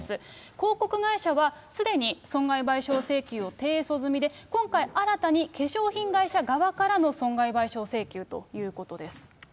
広告会社はすでに損害賠償請求を提訴済みで、今回、新たに化粧品会社側からの損害賠償請求ということです。